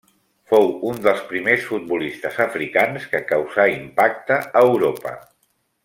Fou un dels primers futbolistes africans que causà impacte a Europa.